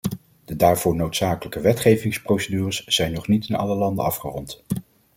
De daarvoor noodzakelijke wetgevingsprocedures zijn nog niet in alle landen afgerond.